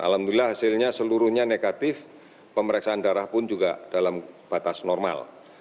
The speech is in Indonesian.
alhamdulillah hasilnya seluruhnya negatif pemeriksaan darah pun juga dalam batas normal